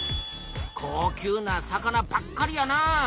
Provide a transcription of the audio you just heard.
高級な魚ばっかりやな。